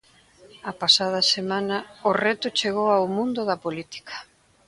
A pasada semana o reto chegou ao mundo da política.